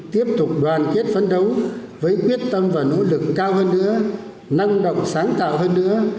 tiếp tục đoàn kết phấn đấu với quyết tâm và nỗ lực cao hơn nữa năng động sáng tạo hơn nữa